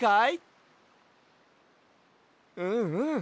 うんうん。